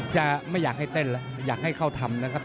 จะไม่อยากให้เต้นแล้วอยากให้เขาทำนะครับ